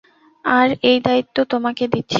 আর এই দায়িত্ব তোমাকে দিচ্ছি।